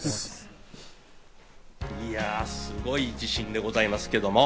いや、すごい自信でございますけれども。